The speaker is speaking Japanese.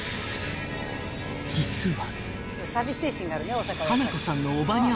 ［実は］